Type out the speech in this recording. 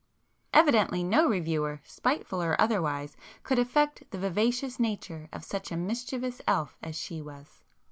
Evidently no reviewer, spiteful or otherwise, could affect the vivacious nature of such a mischievous elf as she was.